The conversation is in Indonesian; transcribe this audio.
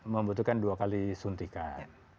membutuhkan dua kali suntikan